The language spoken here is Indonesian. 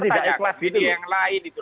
dipertanyakan jadi yang lain itu